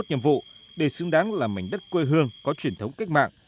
hàng năm vụ để xứng đáng là mảnh đất quê hương có truyền thống cách mạng